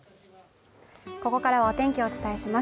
ここからはお天気をお伝えします